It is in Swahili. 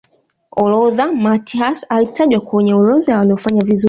lothar matthaus alitajwa kwenye orodha ya waliofanya vizuri